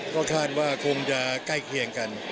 ก็คาดว่าคงจะใกล้เคียงกัน